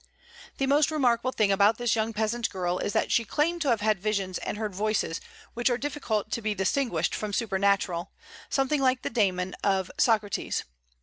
The most remarkable thing about this young peasant girl is that she claimed to have had visions and heard voices which are difficult to be distinguished from supernatural, something like the daemon of Socrates.